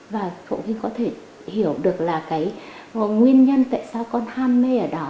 và phụ huynh có thể hiểu được là cái nguyên nhân tại sao con ham mê ở đó